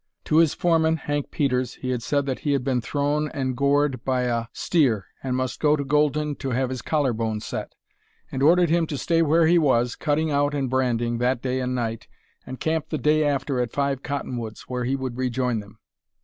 To his foreman, Hank Peters, he had said that he had been thrown and gored by a steer and must go to Golden to have his collar bone set, and ordered him to stay where he was, cutting out and branding, that day and night, and camp the day after at Five Cottonwoods, where he would rejoin them.